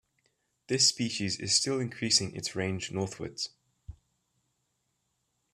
This species is still increasing its range northwards.